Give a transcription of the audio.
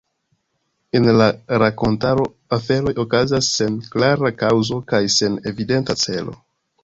En la rakontaro aferoj okazas sen klara kaŭzo kaj sen evidenta celo.